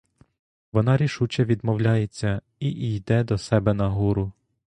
Вона рішуче відмовляється і йде до себе нагору.